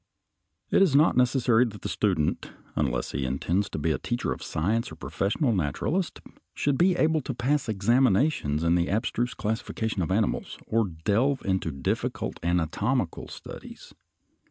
It is not necessary that the student, unless he intends to be a teacher of science or a professional naturalist, should be able to pass examinations in the abstruse classification of animals or delve into difficult anatomical studies.